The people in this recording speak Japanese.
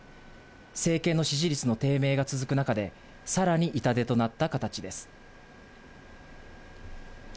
政権の支持率の低迷が続く中で、さらに痛手となった形です。